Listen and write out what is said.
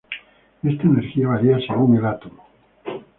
Esta energía varía según el átomo.